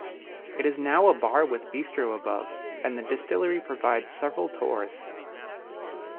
It is now a bar with bistro above, and the distillery provides several tours.